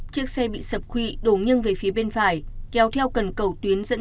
chiếc xe bị sập khuy đổ nghiêng về phía bên phải kéo theo cần cẩu tuyến dẫn bê tông